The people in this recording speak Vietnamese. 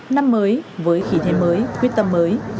năm mới với khí thế mới quyết tâm mới